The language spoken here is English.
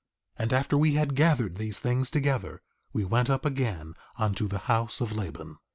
3:23 And after we had gathered these things together, we went up again unto the house of Laban.